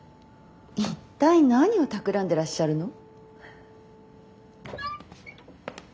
一体何をたくらんでらっしゃるの？